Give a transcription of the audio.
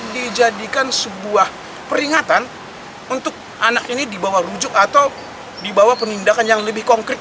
dijadikan sebuah peringatan untuk anak ini dibawa rujuk atau dibawa penindakan yang lebih konkret